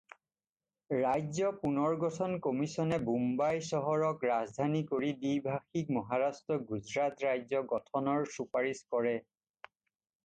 ৰাজ্য পুনৰ্গঠন কমিশ্বনে বোম্বাই চহৰক ৰাজধানী কৰি দ্বিভাষিক মহাৰাষ্ট্ৰ-গুজৰাট ৰাজ্য গঠনৰ চুপাৰিছ কৰে।